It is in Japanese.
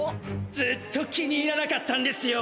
ずっと気に入らなかったんですよ。